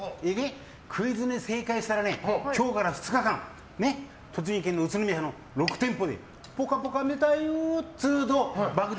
クイズに正解したらね今日から２日間栃木県の宇都宮の６店舗で「ぽかぽか」見たよっつうと爆弾